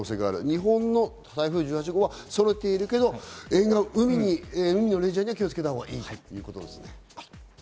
日本の１８号はそれているけど、海のレジャーには気をつけたほうがいいということですね。